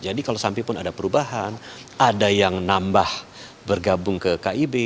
jadi kalau sampai pun ada perubahan ada yang nambah bergabung ke kib